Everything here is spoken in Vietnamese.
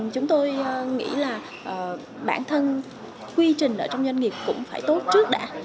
chúng tôi nghĩ là bản thân quy trình ở trong doanh nghiệp cũng phải tốt trước đã